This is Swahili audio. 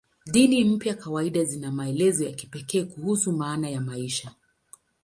Dini mpya kawaida zina maelezo ya kipekee kuhusu maana ya maisha.